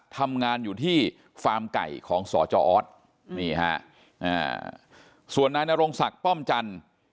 ทำงานอยู่ที่ฟาร์มไก่ของสจออสนี่ฮะส่วนนายนรงศักดิ์ป้อมจันทร์